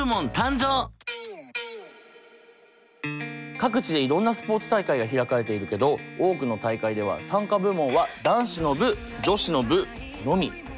各地でいろんなスポーツ大会が開かれているけど多くの大会では参加部門は男子の部女子の部のみ。